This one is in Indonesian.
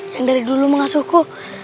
yang dari dulu mengasuhku